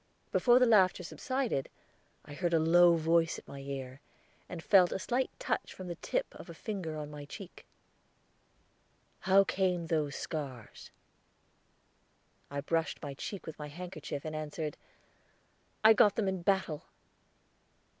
Before the laughter subsided, I heard a low voice at my ear, and felt a slight touch from the tip of a finger on my cheek. "How came those scars?" I brushed my cheek with my handkerchief, and answered, "I got them in battle."